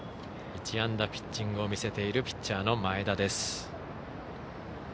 １安打ピッチングを見せているピッチャーの前田です。